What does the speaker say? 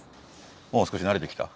もう少し慣れてきた？